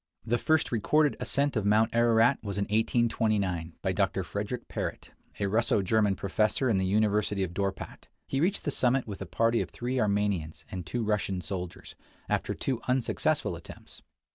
The first recorded ascent of Mount Ararat was in 1 829, by Dr. Frederick Parrot, a Russo German professor in the University of Dorpat. He reached the summit with a party of three Armenians and two Russian soldiers, after two unsuccessful attempts.